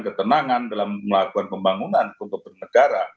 ketenangan dalam melakukan pembangunan untuk bernegara